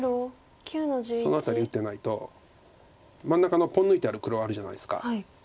その辺り打ってないと真ん中のポン抜いてある黒あるじゃないですか。